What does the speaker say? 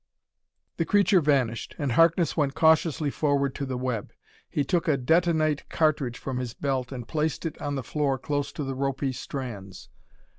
The creature vanished, and Harkness went cautiously forward to the web. He took a detonite cartridge from his belt and placed it on the floor close to the ropy strands.